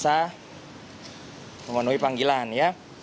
saya memenuhi panggilan ya